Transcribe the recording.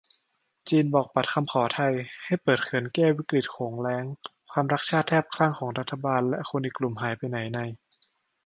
จีนบอกปัดคำขอไทยให้เปิดเขื่อนแก้วิกฤตโขงแล้ง ความรักชาติแทบคลั่งของรัฐบาลและคนอีกกลุ่มหายไปไหนใน